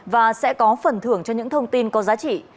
và sẽ có phần thưởng cho những thông tin có giá trị